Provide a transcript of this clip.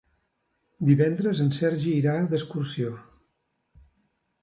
Divendres en Sergi irà d'excursió.